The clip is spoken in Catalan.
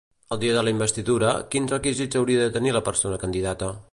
El dia de la investidura, quins requisits hauria de tenir la persona candidata?